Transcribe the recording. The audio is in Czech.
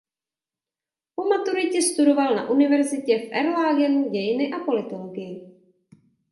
Po maturitě studoval na univerzitě v Erlangenu dějiny a politologii.